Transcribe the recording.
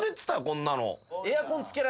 こんなの。